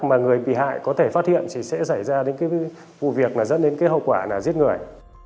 mà người bị hại có thể phát hiện sẽ xảy ra vụ việc dẫn đến hậu quả giết người